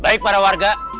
baik para warga